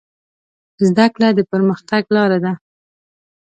زده کړه د پرمختګ لاره ده.